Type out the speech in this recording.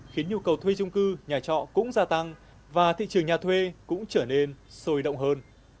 khiến nhu cầu thuê chung cư nhà trọ cũng gia tăng và thị trường nhà thuê cũng trở nên sôi động hơn